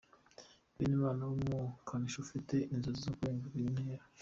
Benimana w’umukanishi afite inzozi zo kurenga iyi ntera